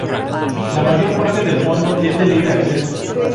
La mayor parte del fondo es de libre acceso.